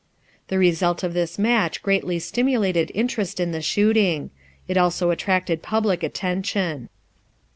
The result of this match greatly stimulated interest in the shooting. It also attracted public attention.